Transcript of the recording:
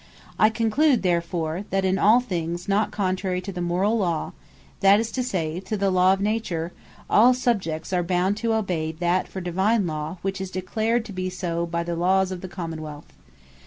I conclude therefore, that in all things not contrary to the Morall Law, (that is to say, to the Law of Nature,) all Subjects are bound to obey that for divine Law, which is declared to be so, by the Lawes of the Common wealth.